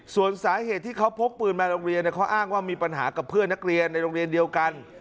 ส่วนสาเหตุที่เขาพกปืนมาโรงเรียนเขาอ้างว่ามีปัญหากับเพื่อนนักเรียนในโรงเรียนเดียวกัน